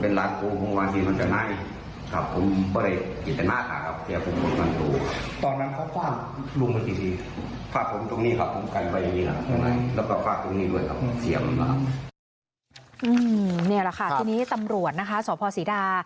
นี่แหละค่ะทีนี้ตำรวจนะคะสพศรีดา